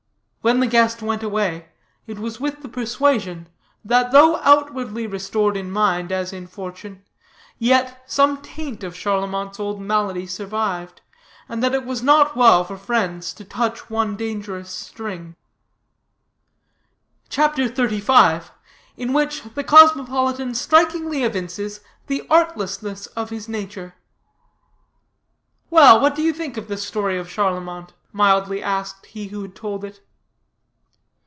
"When the guest went away, it was with the persuasion, that though outwardly restored in mind as in fortune, yet, some taint of Charlemont's old malady survived, and that it was not well for friends to touch one dangerous string." CHAPTER XXXV. IN WHICH THE COSMOPOLITAN STRIKINGLY EVINCES THE ARTLESSNESS OF HIS NATURE. "Well, what do you think of the story of Charlemont?" mildly asked he who had told it.